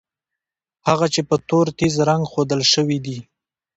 هغه چې په تور تېز رنګ ښودل شوي دي.